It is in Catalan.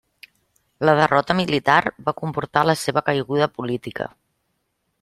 La derrota militar va comportar la seva caiguda política.